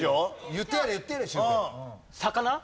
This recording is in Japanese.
言ってやれ言ってやれシュウペイ。